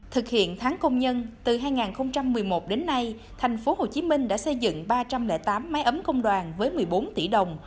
thực hiện tháng công nhân từ hai nghìn một mươi một đến nay tp hcm đã xây dựng ba trăm linh tám máy ấm công đoàn với một mươi bốn tỷ đồng